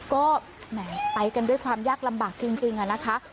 ก็แหมไปกันด้วยความยากลำบากจริงอะนะคะ